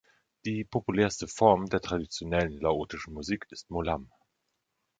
Die populärste Form der traditionellen laotischen Musik ist Mo lam.